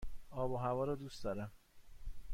آب و هوا را دوست دارم.